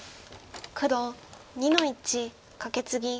黒２の一カケツギ。